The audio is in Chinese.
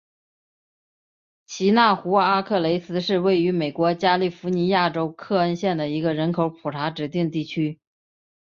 奇纳湖阿克雷斯是位于美国加利福尼亚州克恩县的一个人口普查指定地区。